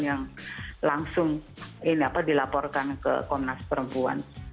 yang langsung dilaporkan ke komnas perempuan